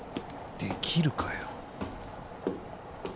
できるかよ。